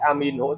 hoặc môn tình dục